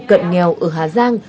cận nghèo ở hà giang